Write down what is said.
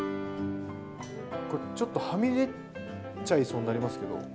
ちょっとはみ出ちゃいそうになりますけど。